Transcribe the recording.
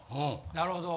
なるほど。